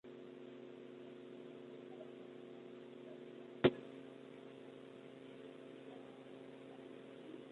Al enfrentar al Coquimbo saluda su estandarte, que se inclina ante el Comando Supremo.